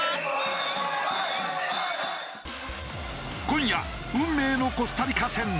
今夜運命のコスタリカ戦。